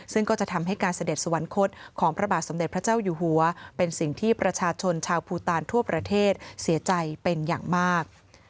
ซึ่งก็จะทำให้การเสด็จสวรรคตของพระบาทสมเด็จพระเจ้าอยู่หัวเป็นสิ่งที่ประชาชนชาวภูตานทั่วประเทศเสียใจเป็นอย่างมาก